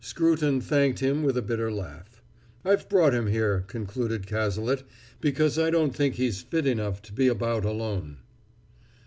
Scruton thanked him with a bitter laugh. "I've brought him here," concluded Cazalet, "because I don't think he's fit enough to be about alone."